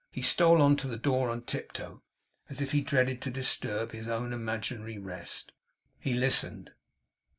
He stole on, to the door on tiptoe, as if he dreaded to disturb his own imaginary rest. He listened.